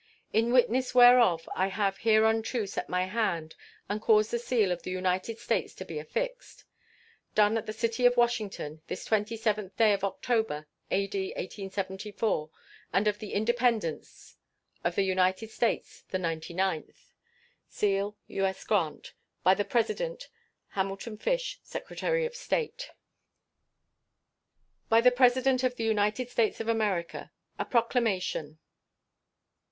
In witness whereof I have hereunto set my hand and caused the seal of the United States to be affixed. Done at the city of Washington, this 27th day of October, A.D. 1874, and of the Independence of the United States the ninety ninth. [SEAL.] U.S. GRANT. By the President: HAMILTON FISH, Secretary of State. BY THE PRESIDENT OF THE UNITED STATES OF AMERICA. A PROCLAMATION.